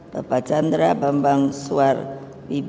bapak chandra bambang suar bibi son